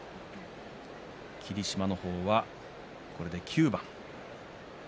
霧島の方は、これで９番。